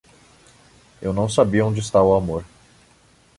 Eu não sabia onde está o amor.